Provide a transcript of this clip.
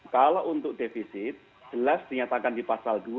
kalau untuk defisit jelas dinyatakan di pasal dua